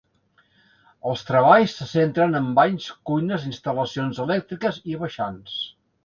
Els treballs se centren en banys, cuines, instal·lacions elèctriques i baixants.